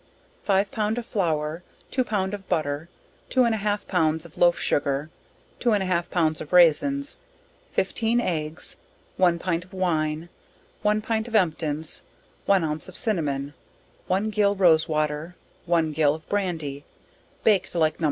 Five pound of flour, 2 pound of butter, 2 and a half pounds of loaf sugar, 2 and a half pounds of raisins, 15 eggs, 1 pint of wine, 1 pint of emptins, 1 ounce of cinnamon, 1 gill rose water, 1 gill of brandy baked like No.